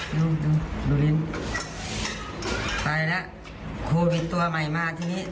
ลุงดูลิ้นไปแล้วโควิดตัวใหม่มาทีนี้